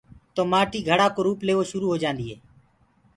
تو مآٽي گھڙآ ڪو روُپ ليوو شُرو هوجآندي هي۔